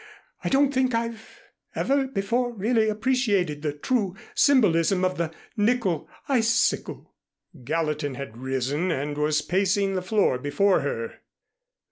I don't think I've ever before really appreciated the true symbolism of the nickel icicle." Gallatin had risen and was pacing the floor before her.